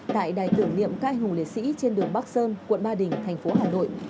tại đài tưởng niệm các anh hùng liệt sĩ trên đường bắc sơn quận ba đình thành phố hà nội